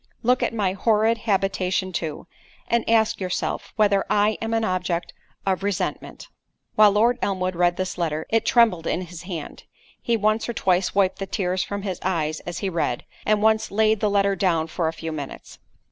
Look at my horrid habitation, too,—and ask yourself—whether I am an object of resentment?" While Lord Elmwood read this letter, it trembled in his hand: he once or twice wiped the tears from his eyes as he read, and once laid the letter down for a few minutes.